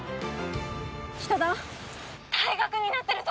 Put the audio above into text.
北田、退学になってるぞ。